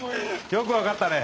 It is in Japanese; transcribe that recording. よく分かったね！